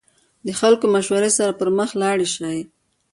د خلکو مشورې سره پرمخ لاړ شئ.